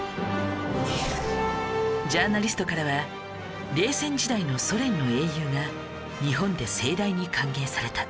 ジャーナリストからは「冷戦時代のソ連の英雄が日本で盛大に歓迎された」